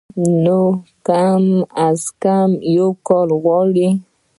نو کم از کم يو کال غواړي